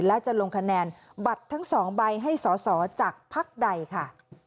และจะลงคะแนนบัตรทั้ง๒ใบให้สอสอจากภักดิ์ใดค่ะ